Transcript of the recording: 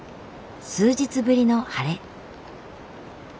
数日ぶりの晴れ。